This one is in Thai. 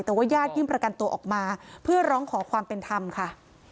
แต่ว่าญาติยื่นประกันตัวออกมาเพื่อร้องขอความเป็นธรรมค่ะ